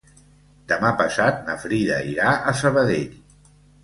Demà passat na Frida irà a Sabadell.